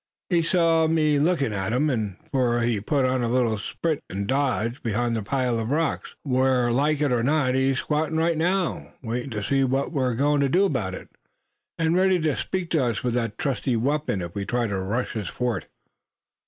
He saw me lookin' at him, for he put on a little spurt, and dodged behind that pile of rocks, where like as not he's squattin' right now, waitin' to see what we're agoin' to do about it, and ready to speak to us with that trusty weapon if we try to rush his fort."